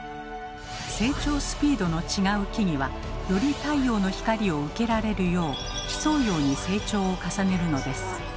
成長スピードの違う木々はより太陽の光を受けられるよう競うように成長を重ねるのです。